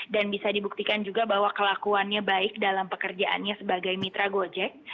dan bisa dibuktikan juga bahwa kelakuannya baik dalam pekerjaannya sebagai mitra gojek